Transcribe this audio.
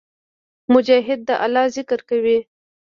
مجاهد د الله ذکر کوي.